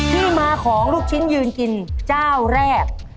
ที่มาของลูกชิ้นยืนกินเจ้าแรก